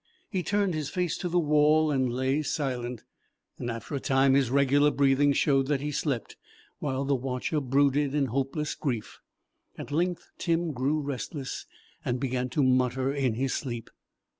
He turned his face to the wall and lay silent. After a time his regular breathing showed that he slept, while the watcher brooded in hopeless grief. At length Tim grew restless and began to mutter in his sleep.